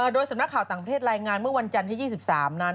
โดยสำนักข่าวต่างประเทศรายงานเมื่อวันจันทร์ที่๒๓นั้น